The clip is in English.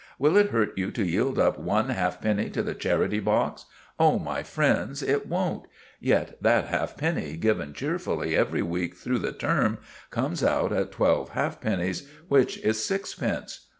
Will it hurt you to yield up one halfpenny to the charity box? Oh, my friends, it won't! Yet that half penny, given cheerfully every week through the term, comes out at twelve halfpennies, which is sixpence.